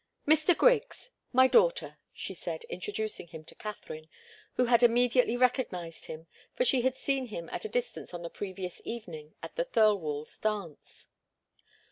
"Mr. Griggs my daughter," she said, introducing him to Katharine, who had immediately recognized him, for she had seen him at a distance on the previous evening at the Thirlwalls' dance.